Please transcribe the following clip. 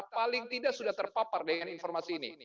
paling tidak sudah terpapar dengan informasi ini